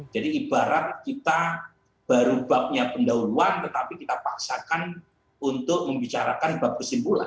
jadi ibarat kita baru babnya pendahuluan tetapi kita paksakan untuk membicarakan bab kesimpulan